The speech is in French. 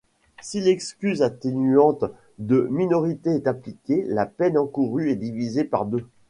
Si l'excuse atténuante de minorité est appliquée, la peine encourue est divisée par deux.